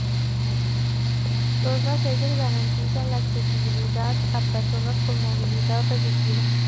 Todas ellas garantizan la accesibilidad a personas con movilidad reducida.